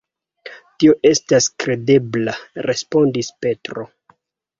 Tio estas kredebla, respondis Petro.